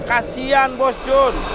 kasian bos jun